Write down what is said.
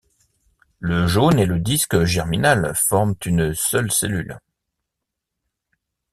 Le jaune et le disque germinal forment une seule cellule.